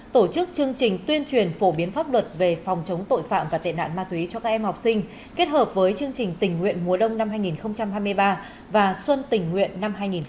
tổ chức chương trình tuyên truyền phổ biến pháp luật về phòng chống tội phạm và tệ nạn ma túy cho các em học sinh kết hợp với chương trình tình nguyện mùa đông năm hai nghìn hai mươi ba và xuân tình nguyện năm hai nghìn hai mươi bốn